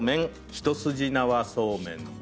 一筋縄そうめん⁉